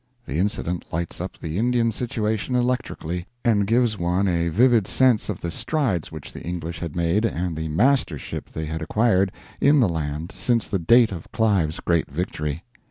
The incident lights up the Indian situation electrically, and gives one a vivid sense of the strides which the English had made and the mastership they had acquired in the land since the date of Clive's great victory.